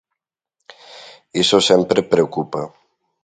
Iso sempre preocupa.